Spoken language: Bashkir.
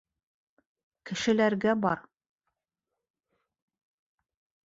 Кешеләргә бар.